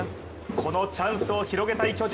このチャンスを広げたい巨人。